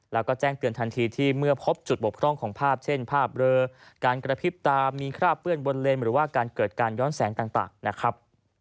แล้วก็แจ้งเตือนทันทีที่เมื่อพบจุดบกพร่องของภาพเช่นภาพเรือการกระพริบตามีคราบเปื้อนบนเลนหรือว่าการเกิดการย้อนแสงต่างนะครับ